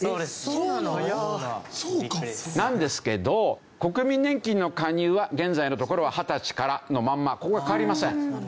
なんですけど国民年金の加入は現在のところは二十歳からのまんまここは変わりません。